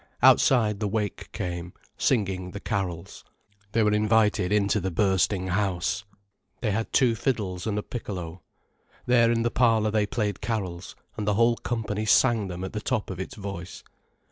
Outside the wake came, singing the carols. They were invited into the bursting house. They had two fiddles and a piccolo. There in the parlour they played carols, and the whole company sang them at the top of its voice.